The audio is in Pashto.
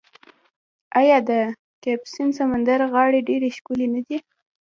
آیا د کسپین سمندر غاړې ډیرې ښکلې نه دي؟